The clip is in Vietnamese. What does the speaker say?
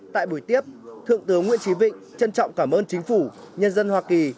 tại buổi tiếp thượng tướng nguyễn trí vịnh trân trọng cảm ơn chính phủ nhân dân hoa kỳ